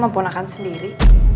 mampu nakal sendiri